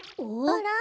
あら？